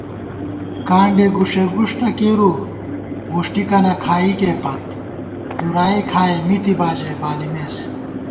کانڈےگُݭےگُݭ تہ کېرُو وُݭٹِکَنہ کھائیکےپت دُرائےکھائی مِتِبا ژَئی بالِمېس